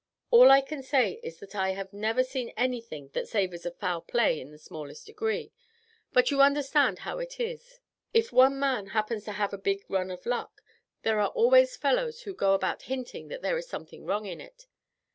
All I can say is that I have never seen anything that savors of foul play in the smallest degree; but you understand how it is, if one man happens to have a big run of luck, there are always fellows who go about hinting that there is something wrong in it.